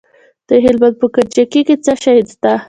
د هلمند په کجکي کې څه شی شته؟